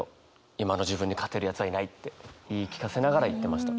今の自分に勝てるやつはいない」って言い聞かせながら行ってました。